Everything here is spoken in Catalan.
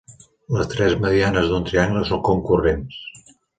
Les tres medianes d'un triangle són concurrents.